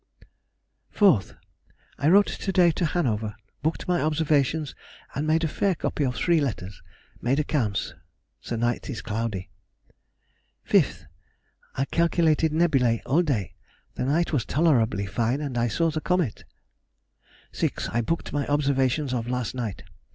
4th.—I wrote to day to Hanover, booked my observations, and made a fair copy of three letters. Made accounts. The night is cloudy. 5th.—I calculated nebulæ all day. The night was tolerably fine, and I saw the comet. 6th.—I booked my observations of last night.